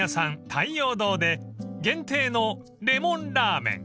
太陽堂で限定のレモンラーメン］